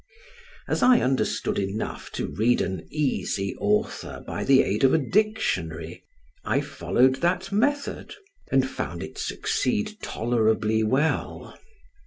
As I understood enough to read an easy author by the aid of a dictionary, I followed that method, and found it succeed tolerably well.